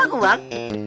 buat aku bang